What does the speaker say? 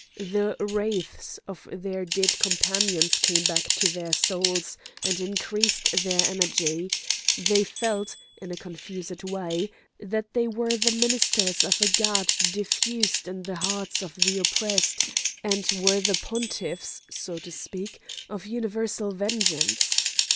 The wraiths of their dead companions came back to their souls and increased their energy; they felt, in a confused way, that they were the ministers of a god diffused in the hearts of the oppressed, and were the pontiffs, so to speak, of universal vengeance!